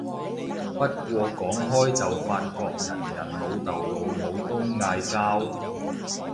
不過講開就發覺人人老豆老母都嗌交